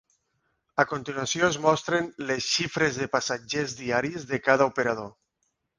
A continuació es mostren las xifres de passatgers diaris de cada operador.